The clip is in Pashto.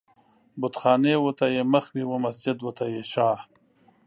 بتخانې و ته يې مخ وي و مسجد و ته يې شا